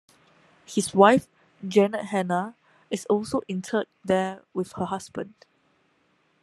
His wife, Janet Hannah, is also interred there with her husband.